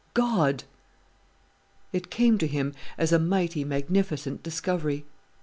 God! It came to him as a mighty magnificent discovery.